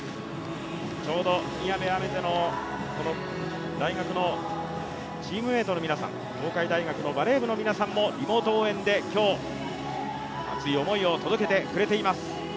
ちょうど宮部愛芽世の大学のチームメイトの皆さん、東海大学のバレー部の皆さんも、リモート応援で今日、熱い思いを届けてくれています。